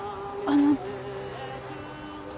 あの。